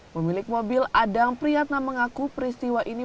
pemilik mobil adang priyatna mengaku peristiwa ini